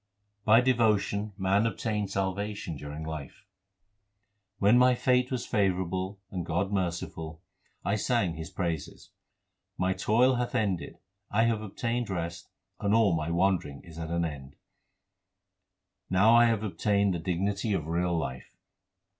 By devotion man obtains salvation during life : When my fate was favourable and God was merciful, I sang His praises. My toil hath ended, I have obtained rest, and all my wandering is at an end. Now I have obtained the dignity of real life.